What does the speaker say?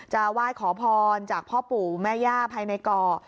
ไหว้ขอพรจากพ่อปู่แม่ย่าภายในก่อ